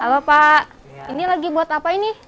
halo pak ini lagi buat apa ini